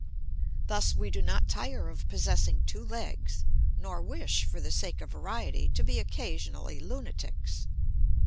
Thus we do not tire of possessing two legs nor wish, for the sake of variety, to be occasionally lunatics.